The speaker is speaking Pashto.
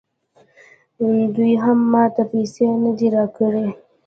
دوی هم ماته پیسې نه دي راکړي